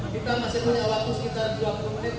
kita masih punya waktu sekitar dua puluh menit